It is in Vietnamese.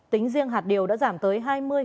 tính riêng hạt điều đã giảm tới hai mươi tám